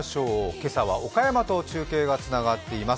今朝は岡山と中継がつながっています。